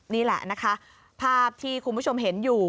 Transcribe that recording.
นี่แหละนะคะภาพที่คุณผู้ชมเห็นอยู่